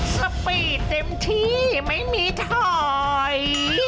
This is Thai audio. สปีดเต็มที่ไม่มีถอย